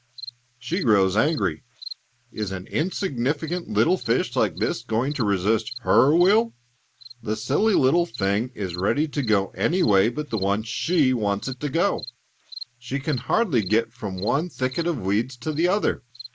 She grows angry. Is an insignificant little fish like this going to resist her will? The silly little thing is ready to go any way but the one she wants it to go; she can hardly get from one thicket of weeds to the other.